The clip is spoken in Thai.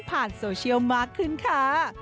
โซเชียลมากขึ้นค่ะ